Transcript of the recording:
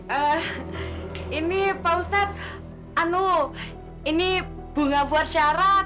eee ini pak ustadz anu ini bunga buat syarat